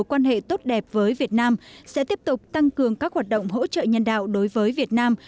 xây dựng mối quan hệ tốt đẹp với việt nam sẽ tiếp tục tăng cường các hoạt động hỗ trợ nhân đạo đối với việt nam